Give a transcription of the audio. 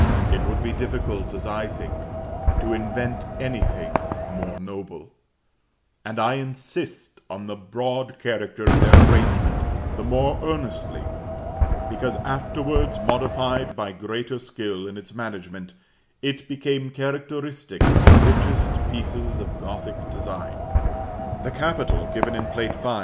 It would be difficult, as I think, to invent anything more noble; and I insist on the broad character of their arrangement the more earnestly, because, afterwards modified by greater skill in its management, it became characteristic of the richest pieces of Gothic design. The capital, given in Plate V.